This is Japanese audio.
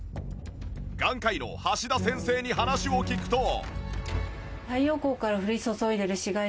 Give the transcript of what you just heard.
眼科医の橋田先生に話を聞くと